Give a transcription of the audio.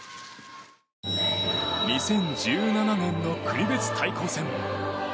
２０１７年の国別対抗戦。